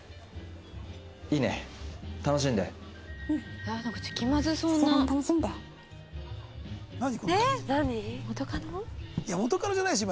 いや元カノじゃないでしょ